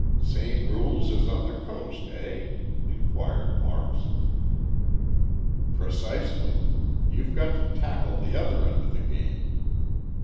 "Same rules as on the Coast, eh?" inquired Marks. "Precisely. You've got to tackle the other end of the game.